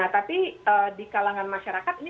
tapi di kalangan masyarakat ini